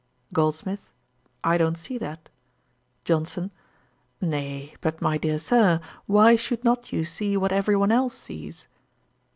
GOLDSMITH. 'I don't see that.' JOHNSON. 'Nay, but my dear Sir, why should not you see what every one else sees?'